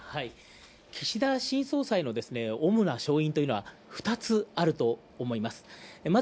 岸田新総裁の主な勝因というのは２つあると思います。